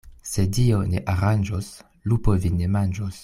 Se Dio ne aranĝos, lupo vin ne manĝos.